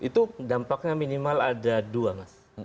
itu dampaknya minimal ada dua mas